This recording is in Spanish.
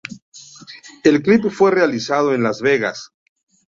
El clip fue realizado en Las Vegas.